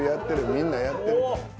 みんなやってる。